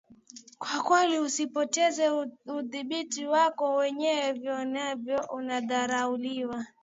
kwa kweli usipoteze udhibiti wako mwenyewe vinginevyo unadharauliwa